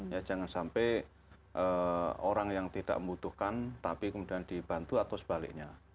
ya jangan sampai orang yang tidak membutuhkan tapi kemudian dibantu atau sebaliknya